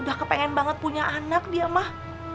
udah kepengen banget punya anak dia mah